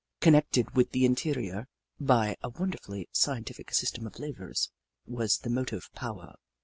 Connected with the interior by a wonderfully scientific system of levers, was the motive power.